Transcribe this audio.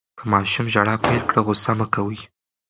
که ماشوم ژړا پیل کړه، غوصه مه کوئ.